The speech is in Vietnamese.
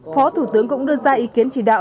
phó thủ tướng cũng đưa ra ý kiến chỉ đạo